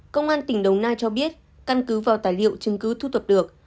công an tỉnh đồng nai cho biết căn cứ vào tài liệu chứng cứ thu thập được